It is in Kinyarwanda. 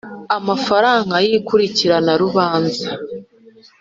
amafaranga y ikurikiranarubanza